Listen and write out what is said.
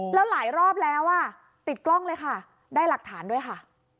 แล้วหลายรอบแล้วอ่ะติดกล้องเลยค่ะได้หลักฐานด้วยค่ะ